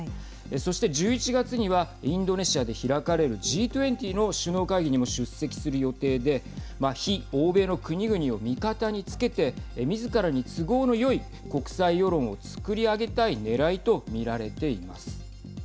そして１１月にはインドネシアで開かれるＧ２０の首脳会議にも出席する予定で非欧米の国々を味方につけてみずからに都合のよい国際世論を作り上げたいねらいと見られています。